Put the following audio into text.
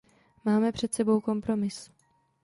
Máme před sebou kompromis.